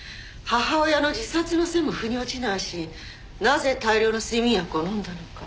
母親の自殺の線も腑に落ちないしなぜ大量の睡眠薬を飲んだのか？